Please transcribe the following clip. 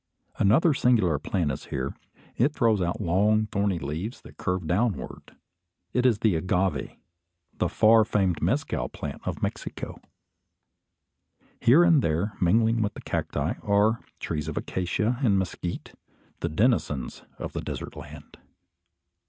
Another singular plant is here. It throws out long, thorny leaves that curve downward. It is the agave, the far famed mezcal plant of Mexico. Here and there, mingling with the cacti, are trees of acacia and mezquite, the denizens of the desert land.